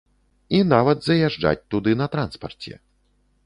І нават заязджаць туды на транспарце.